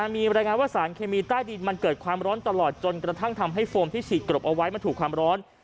มีบรรยายงานว่าสารเคมีใต้ดินมันเกิดความร้อนตลอดจนกระทั่งทำให้โฟมที่ฉีดกรบเอาไว้มันถูกความร้อน